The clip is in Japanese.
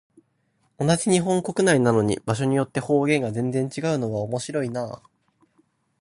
同じ日本国内なのに、場所によって方言が全然違うのは面白いなあ。